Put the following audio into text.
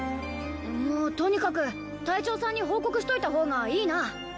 もうとにかく隊長さんに報告しといたほうがいいな。